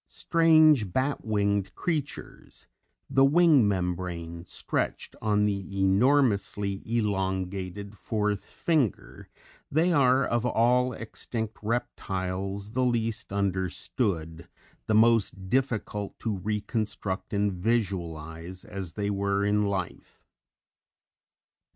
Strange bat winged creatures, the wing membrane stretched on the enormously elongated fourth finger, they are of all extinct reptiles the least understood, the most difficult to reconstruct and visualize as they were in life.